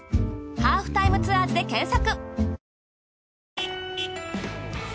『ハーフタイムツアーズ』で検索。